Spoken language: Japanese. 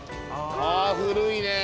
あ古いね。